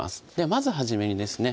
まず初めにですね